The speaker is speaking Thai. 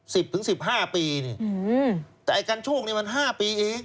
สิบถึงสิบห้าปีนี่อืมแต่ไอ้กันโชคนี่มันห้าปีเอง